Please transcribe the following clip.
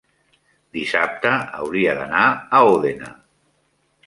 dissabte hauria d'anar a Òdena.